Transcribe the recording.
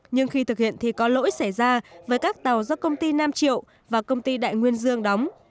nhưng khi thực hiện thì có lỗi xảy ra với các tàu do công ty nam triệu và công ty đại nguyên dương đóng